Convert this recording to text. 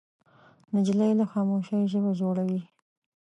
نجلۍ له خاموشۍ ژبه جوړوي.